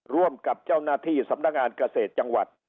ร่วมกับเจ้าหน้าที่สำนักงานเกษตรจังหวัด